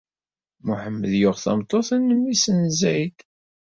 Muḥemmed yuɣ tameṭṭut n mmi-s Zayd!